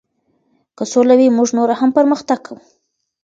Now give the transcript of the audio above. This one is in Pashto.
که سوله وي موږ نور هم پرمختګ کوو.